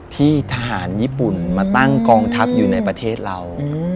ที่ทหารญี่ปุ่นมาตั้งกองทัพอยู่ในประเทศเรา